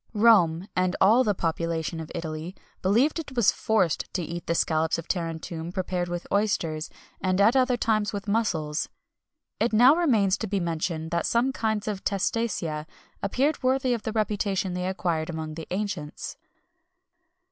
Rome, and all the population of Italy, believed it was forced to eat the scallops of Tarentum prepared with oysters, and at other times with mussels. It now remains to be mentioned that some kinds of testacea appeared worthy of the reputation they acquired among the ancients.